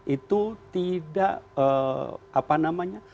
itu tidak apa namanya